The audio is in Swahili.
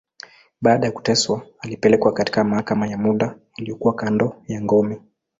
Baada ya kuteswa, alipelekwa katika mahakama ya muda, iliyokuwa kando ya ngome.